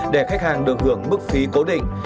để khách hàng được hưởng mức phí cố định